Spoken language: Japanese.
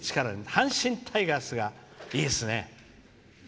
阪神タイガースがいいですね。